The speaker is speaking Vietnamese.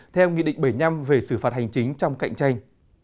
theo nghị định bảy mươi năm về xử phạt hành chính trong cạnh tranh